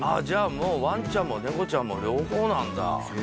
じゃあもうワンちゃんも猫ちゃんも両方なんだ。